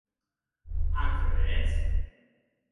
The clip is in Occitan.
Ac vedetz?